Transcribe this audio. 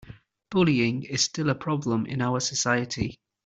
Bullying is still a problem in our society.